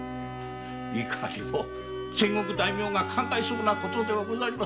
いかにも戦国大名が考えそうな事ではございませぬか。